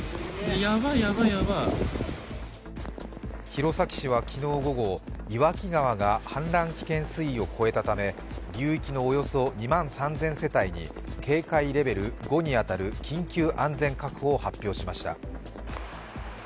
弘前市は昨日午後、岩木川が氾濫危険水位を超えたため、流域のおよそ２万３０００世帯に警戒レベル５に当たる緊急安全確保を発表しました。